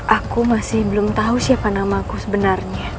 aku masih belum tahu siapa namaku sebenarnya